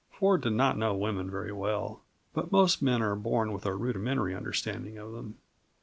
Ford did not know women very well, but most men are born with a rudimentary understanding of them.